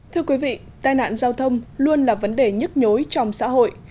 thưa quý vị tai nạn giao thông luôn là vấn đề nhức nhối trong xã hội